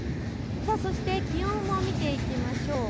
そして気温を見ていきましょう。